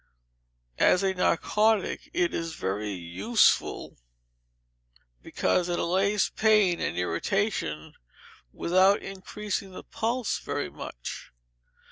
As a narcotic it is very useful, because it allays pain and irritation, without increasing the pulse very much.